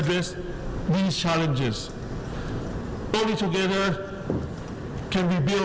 เดี๋ยวนี้เราจะสร้างความสุขของเรา